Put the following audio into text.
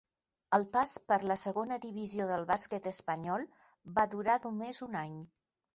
El pas per la segona divisió del bàsquet espanyol va durar només un any.